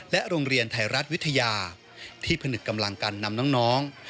โรงเรียนไทยรัฐวิทยาที่ผนึกกำลังกันนำน้อง